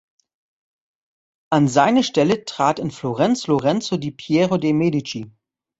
An seine Stelle trat in Florenz Lorenzo di Piero de’ Medici.